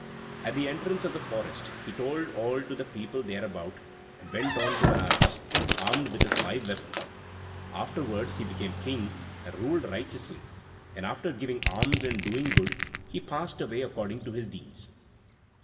At the entrance of the forest he told all to the people thereabout; and went on to Benares, armed with his five weapons. Afterwards he became king, and ruled righteously; and after giving alms and doing good he passed away according to his deeds.